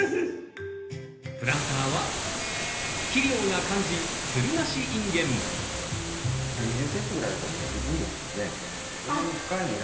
プランターは２０ｃｍぐらいあればもう十分ですのでそんなに深いのいらないんです。